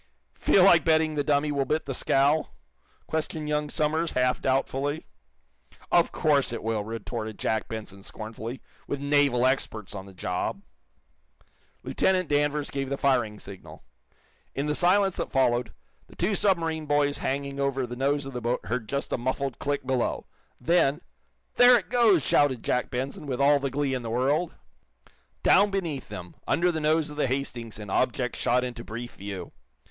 "Feel like betting the dummy will bit the scow?" questioned young Somers, half doubtfully. "Of course it will," retorted Jack Benson, scornfully, "with naval experts on the job!" Lieutenant Danvers gave the firing signal. In the silence that followed, the two submarine boys hanging over the nose of the boat heard just a muffled click below. Then "There it goes!" shouted Jack Benson, with all the glee in the world. Down beneath them, under the nose of the "Hastings" an object shot into brief view.